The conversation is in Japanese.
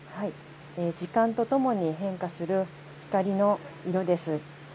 時間とともに変化する光の色です。